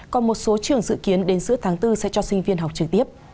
còn một số trường dự kiến đến giữa tháng bốn sẽ cho sinh viên học trực tiếp